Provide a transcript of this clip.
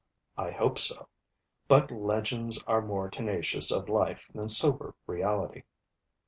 I hope so: but legends are more tenacious of life than sober reality.'